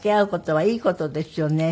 はい。